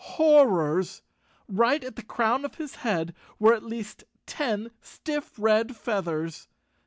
Horrors! Right at the crown of his head were at least ten stiff red feathers.